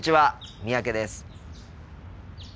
三宅です。